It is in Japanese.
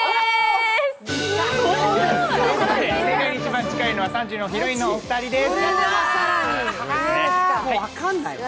正解に一番近いのは３時のヒロインのお二人です。